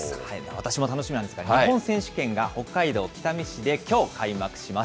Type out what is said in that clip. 私も楽しみなんですが、日本選手権が北海道北見市できょう、開幕します。